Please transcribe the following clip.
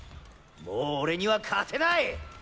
もう俺には勝てない！